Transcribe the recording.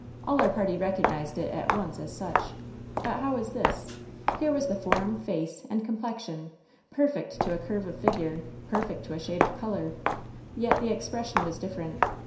All our party recognized it at once as such. But how was this ? Here was the form, face and com plexion, perfect to a curve of figure, perfect to a shade of color ; yet the expression was different.